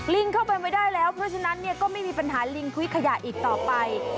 ลิงเข้าไปไม่ได้แล้วเพราะฉะนั้นเนี่ยก็ไม่มีปัญหาลิงคุ้ยขยะอีกต่อไป